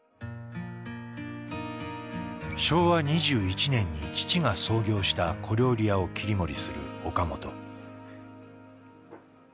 昭和２１年に父が創業した小料理屋を切り盛りする岡本。